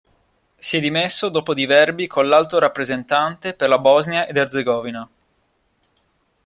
Si è dimesso dopo diverbi con l'Alto rappresentante per la Bosnia ed Erzegovina.